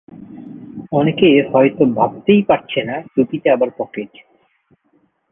অনেকে হয়তো ভাবতেই পারছেন না, টুপিতে আবার পকেট।